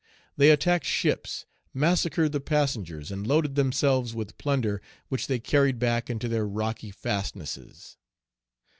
They attacked ships, massacred the passengers, and loaded themselves with plunder, which they carried back into their rocky fastnesses.